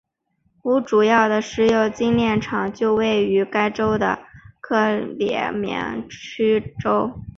乌主要的石油精炼厂就位于该州的克列缅丘格。